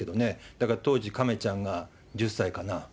だから当時、亀ちゃんが１０歳かな。